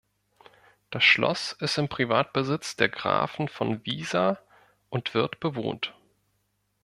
Das Schloss ist im Privatbesitz der Grafen von Wiser und wird bewohnt.